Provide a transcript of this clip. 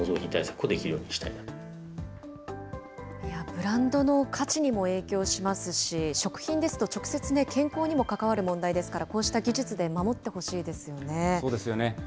ブランドの価値にも影響しますし、食品ですと、直接、健康にもかかわる問題ですから、こうした技術で守ってほしいですそうですよね。